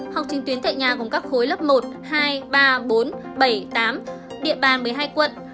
học trình tuyến tại nhà gồm các khối lớp một hai ba bốn bảy tám địa bàn một mươi hai quận